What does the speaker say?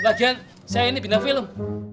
lagian saya ini bidang film